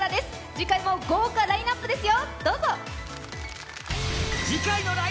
次回も豪華ラインナップですよ。